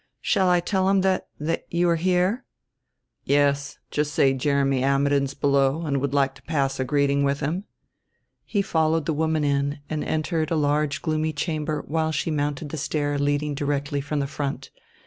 Shall I tell him that that you are here?" "Yes. Just say Jeremy Ammidon's below, and would like to pass a greeting with him." He followed the woman in, and entered a large gloomy chamber while she mounted the stair leading directly from the front.